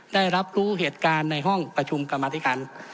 ได้รับรู้เหตุการณ์ในห้องประชุมกรรมธิการ